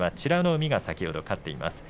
海が先ほど勝っています。